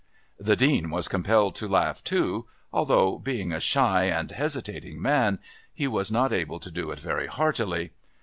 The Dean was compelled to laugh too, although, being a shy and hesitating man, he was not able to do it very heartily.